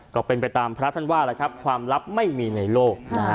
ก็เป็นไปตามพระท่านว่าความลับไม่มีในโลก